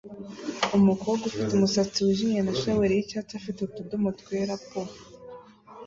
Umukobwa ufite umusatsi wijimye na shaweli yicyatsi afite utudomo twera po